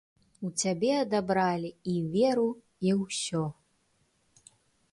У цябе адабралі і веру, і ўсё.